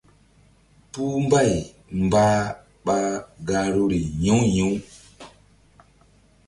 Puh mbay mbah ɓa gahruri yi̧w yi̧w.